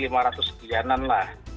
jadi lima ratus sekianan lah